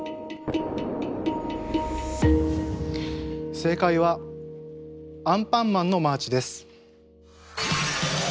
正解は「アンパンマンのマーチ」です。